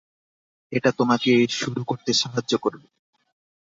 এটা তোমাকে শুরু করতে সাহায্য করবে।